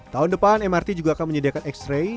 tahun depan amrt juga akan menyediakan xray